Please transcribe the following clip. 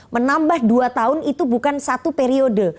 menambah dua tahun itu bukan satu periode